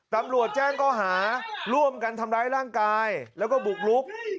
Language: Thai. ตำรวจแจ้งข้อหาร่วมกันทำร้ายร่างกายแล้วก็บุกลุก